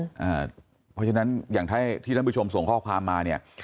เพราะฉะนั้นอย่างที่ท่านผู้ชมส่งข้อความมาเนี่ย